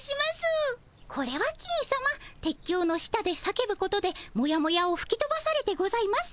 これは金さま鉄橋の下で叫ぶことでもやもやをふきとばされてございます。